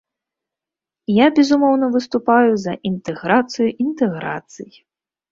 Я, безумоўна, выступаю за інтэграцыю інтэграцый.